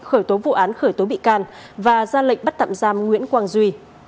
khởi tố vụ án khởi tố bị can và ra lệnh bắt tạm giam nguyễn quang duy